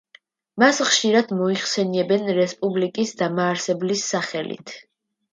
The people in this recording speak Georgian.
მას ხშირად მოიხსენიებენ „რესპუბლიკის დამაარსებლის“ სახელით.